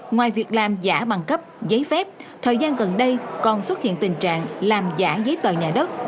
ngoài việc làm giả bằng cấp giấy phép thời gian gần đây còn xuất hiện tình trạng làm giả giấy tờ nhà đất